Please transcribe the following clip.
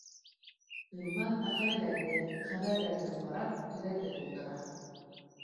Ғилман мәҡәләләрҙе, хәбәрҙәрҙе ҡарап, төҙәтеп ултыра.